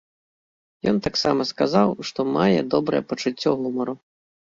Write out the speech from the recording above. Ён таксама сказаў, што мае добрае пачуццё гумару.